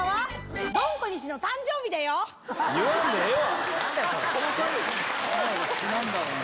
言わんでええわ！